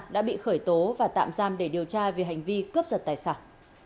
đã bị khởi tố và tạm giam để điều tra về hành vi cướp giật tài sản